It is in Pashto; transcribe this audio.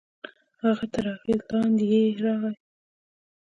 هغه تر اغېز لاندې يې راغی.